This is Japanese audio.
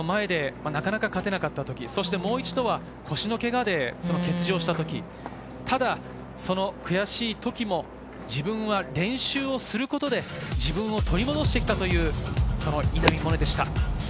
一時はオリンピックの前でなかなか勝てなかったとき、もう一度は腰のけがで欠場した時、ただその悔しいときも、自分は練習をすることで自分を取り戻してきたと話す稲見萌寧でした。